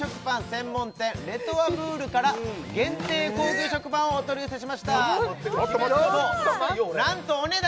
専門店レトワブールから限定高級食パンをお取り寄せしました何とお値段